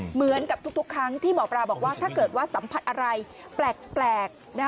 เหมือนกับทุกครั้งที่หมอปลาบอกว่าถ้าเกิดว่าสัมผัสอะไรแปลก